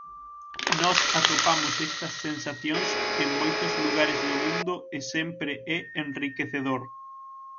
Nós atopamos estas sensacións en moitos lugares do mundo e sempre é enriquecedor.